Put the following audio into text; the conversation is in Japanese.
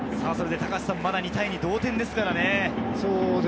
まだ２対２、同点ですからね。